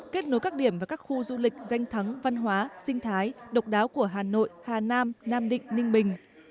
kết nối các điểm và các khu du lịch danh thắng văn hóa sinh thái độc đáo của hà nội hà nam nam định ninh bình